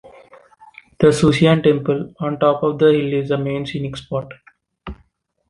The Suxian Temple on top of the hill is the main scenic spot.